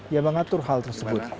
yang mengatur hal tersebut